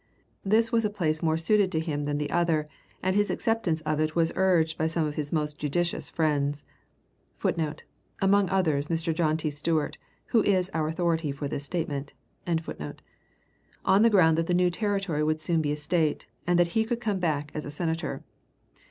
This was a place more suited to him than the other, and his acceptance of it was urged by some of his most judicious friends [Footnote: Among others John T. Stuart, who is our authority for this statement.] on the ground that the new Territory would soon be a State, and that he could come back as a senator.